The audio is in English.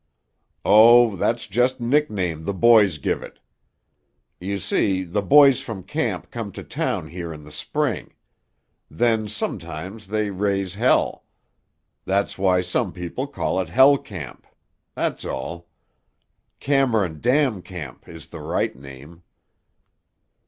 "Oh, that's just nickname the boys give it. You see, the boys from camp come to town here in the Spring. Then sometimes they raise ——. That's why some people call it Hell Camp. That's all. Cameron Dam Camp is the right name."